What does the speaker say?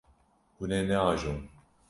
Hûn ê neajon.